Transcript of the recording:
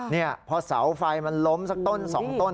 นี่พอเสาไฟมันล้มสักต้น๒ต้น